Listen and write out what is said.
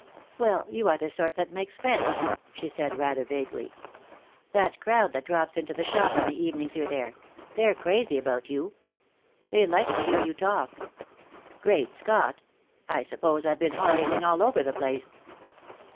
"Well, you are the sort that makes friends," she said, rather vaguely. "That crowd that drops into the shop on the evenings you're there they're crazy about you. They like to hear you talk." "Great Scott! I suppose I've been orating all over the place!"